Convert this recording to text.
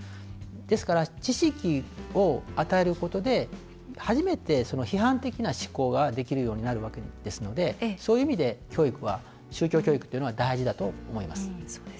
ですから、知識を与えることで初めて批判的な思考ができるようになるわけですのでそういう意味で宗教教育というのは大事だと思います。